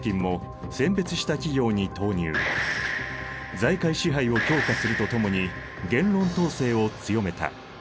財界支配を強化するとともに言論統制を強めた。